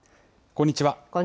こんにちは。